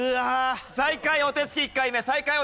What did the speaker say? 最下位お手つき１回目最下位